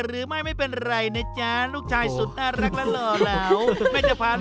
ผมรู้สึกว่าเป็นสิ่งที่สนุกที่สุดในการทำอาหารเลย